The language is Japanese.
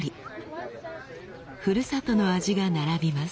ふるさとの味が並びます。